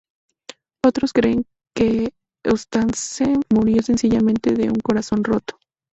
Otros creen que Eustace murió sencillamente de un corazón roto.